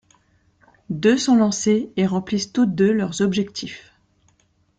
Deux sont lancées et remplissent toutes deux leurs objectifs.